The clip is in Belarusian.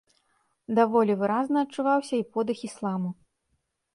Даволі выразна адчуваўся і подых ісламу.